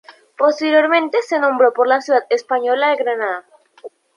Posteriormente se nombró por la ciudad española de Granada.